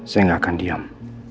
saya gak akan diam